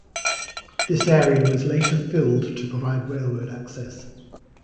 This area was later filled to provide railroad access.